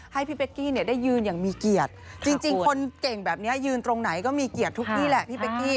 ให้พี่เป๊กกี้เนี่ยได้ยืนอย่างมีเกียรติจริงคนเก่งแบบนี้ยืนตรงไหนก็มีเกียรติทุกที่แหละพี่เป๊กกี้